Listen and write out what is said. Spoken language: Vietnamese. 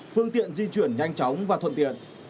phương tiện di chuyển nhanh chóng và thuận tiện